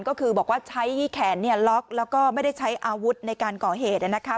ก็คือบอกว่าใช้แขนล็อกแล้วก็ไม่ได้ใช้อาวุธในการก่อเหตุนะคะ